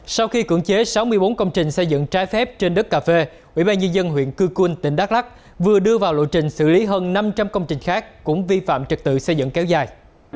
sau khi cưỡng chế sáu mươi bốn công trình xây dựng trái phép trên đất cà phê ubnd huyện cư cunh tỉnh đắk lắc vừa đưa vào lộ trình xử lý hơn năm trăm linh công trình khác cũng vi phạm trật tự xây dựng kéo dài